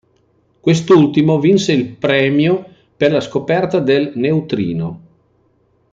Quest'ultimo vinse il premio per la scoperta del neutrino.